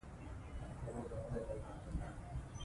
د بدخشان په ډېرو برخو کې مو لاس نیولي ګرځوي.